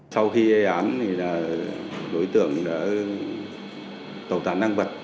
sau khi ây án đối tượng đã tẩu tán năng vật